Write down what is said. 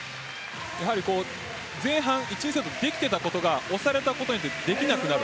前半でできていたことが押されたことによってできなくなる。